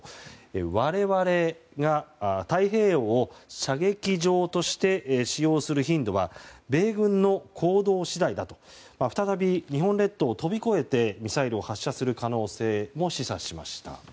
我々が太平洋を射撃場として使用する頻度は米軍の行動次第だと再び日本列島を飛び越えてミサイルを発射する可能性も示唆しました。